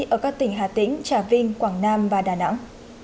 ở các tỉnh hà tĩnh trà vinh quảng nam và đà nẵng